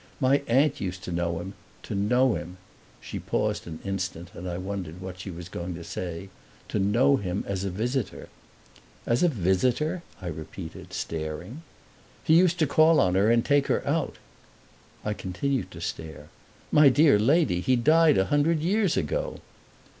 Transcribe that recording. "My aunt used to know him to know him" she paused an instant and I wondered what she was going to say "to know him as a visitor." "As a visitor?" I repeated, staring. "He used to call on her and take her out." I continued to stare. "My dear lady, he died a hundred years ago!"